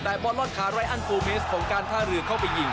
ได้บอลรอดขารายอั้นฟูเมสของการท่าเรือเข้าไปหยิง